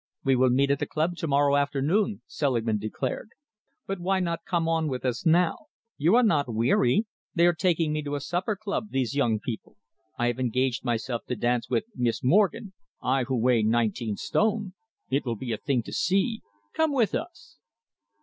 "We will meet at the club to morrow afternoon," Selingman declared. "But why not come on with us now? You are not weary? They are taking me to a supper club, these young people. I have engaged myself to dance with Miss Morgen I, who weigh nineteen stone! It will be a thing to see. Come with us."